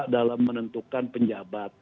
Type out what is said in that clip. dalam menentukan penjabat